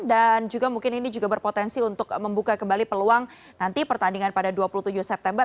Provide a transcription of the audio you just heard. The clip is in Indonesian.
dan juga mungkin ini juga berpotensi untuk membuka kembali peluang nanti pertandingan pada dua puluh tujuh september